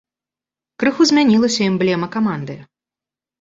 Крыху змянілася эмблема каманды.